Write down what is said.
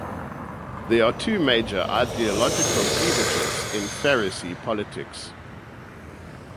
There are two major ideological cleavages in Faroese politics.